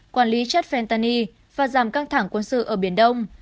quản lý chất phentany và giảm căng thẳng quân sự ở biển đông